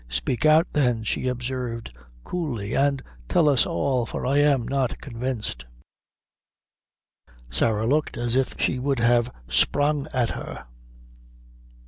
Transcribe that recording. "Spake out, then," she observed coolly, "an' tell us all, for I am not convinced." Sarah looked as if she would have sprang at her.